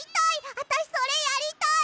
あたしそれやりたい！